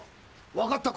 分かった！